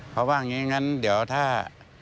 เขาบอกอย่างนี้อย่างนั้นเดี๋ยวถ้า